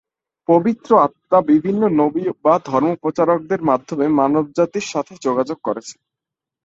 পবিত্র আত্মা বিভিন্ন নবী বা ধর্মপ্রচারকদের মাধ্যমে মানবজাতির সাথে যোগাযোগ করেছে।